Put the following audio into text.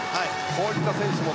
こういった選手も。